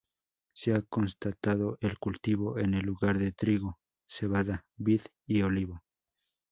Se ha constatado el cultivo en el lugar de trigo, cebada, vid y olivo.